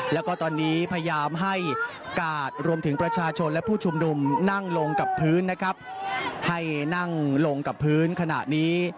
แล้วก็ตอนนี้พยายามให้กาดรวมถึงประชาชนและผู้ชุมนุมนั่งลงกับพื้นนะครับให้นั่งลงกับพื้นขณะนี้